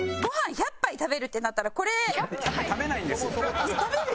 「１００杯食べるってなったら」。